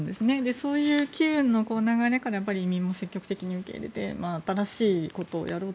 そういう機運の流れから移民も積極的に受け入れて新しいことをやろうと。